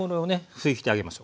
拭いてあげましょう。